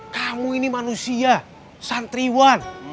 kamu ini manusia santriwan